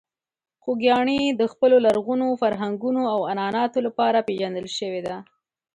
خوږیاڼي د خپلو لرغونو فرهنګونو او عنعناتو لپاره پېژندل شوې ده.